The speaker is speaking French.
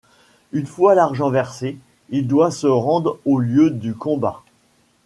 Une fois l'argent versé, il doit se rendre au lieu du combat.